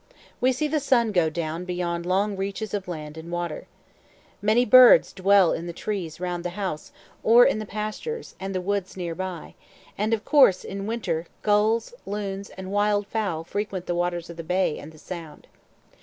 We see the sun go down beyond long reaches of land and of water. Many birds dwell in the trees round the house or in the pastures and the woods near by, and of course in winter gulls, loons, and wild fowl frequent the waters of the bay and the Sound.